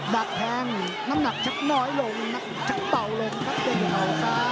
ดับแพงน้ำหนักชักน้อยลงน้ำหนักชักเป่าเลยครับเด็กเหล่าสาม